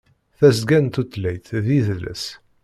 Tasga n Tutlayt d Yidles.